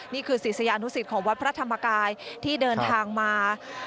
ศิษยานุสิตของวัดพระธรรมกายที่เดินทางมา